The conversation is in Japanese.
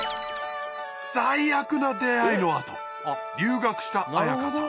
最悪な出会いのあと留学した彩香さん